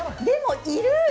でもいる！